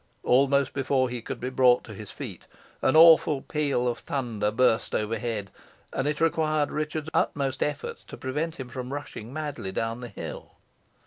Almost before he could be brought to his feet, an awful peal of thunder burst overhead, and it required Richard's utmost efforts to prevent him from rushing madly down the hill.